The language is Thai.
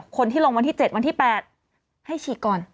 คนที่ลงวันที่๗วันที่๘ให้ฉีกก่อน